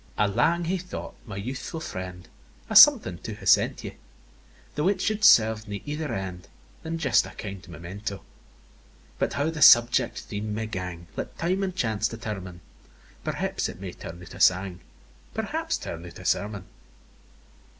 I lang hae thought, my youthfu' friend, A something to have sent you, Though it should serve nae ither end Than just a kind memento; But how the subject theme may gang, Let time and chance determine; Perhaps it may turn out a sang, Perhaps, turn out a sermon.